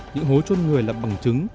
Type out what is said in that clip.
những hố trôn người là bằng chứng